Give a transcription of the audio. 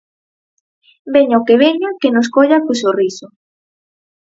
Veña o que veña, que nos colla co sorriso.